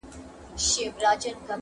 تر تا د مخه ما پر ایښي دي لاسونه٫